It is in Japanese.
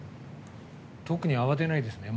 特に慌てないですね。